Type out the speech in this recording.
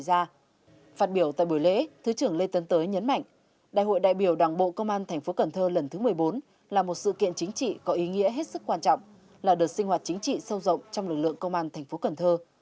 dự và phát biểu tại buổi lễ thứ trưởng lê tấn tới nhấn mạnh đại hội đại biểu đảng bộ công an tp cn lần thứ một mươi bốn là một sự kiện chính trị có ý nghĩa hết sức quan trọng là đợt sinh hoạt chính trị sâu rộng trong lực lượng công an tp cn